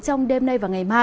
trong đêm nay